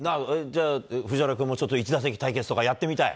じゃあ、藤原君も一打席対決とかやってみたい？